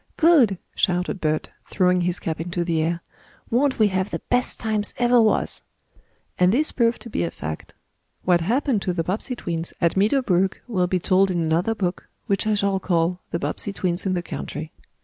"Good!" shouted Bert, throwing his cap into the air. "Won't we have the best times ever was!" And this proved to be a fact. What happened to the Bobbsey twins at Meadow Brook will be told in another book, which I shall call, "The Bobbsey Twins in the Country."